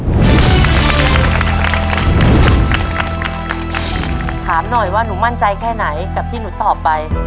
ถามหน่อยว่าหนูมั่นใจแค่ไหนกับที่หนูตอบไป